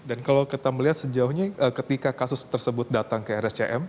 dan kalau kita melihat sejauhnya ketika kasus tersebut datang ke rscm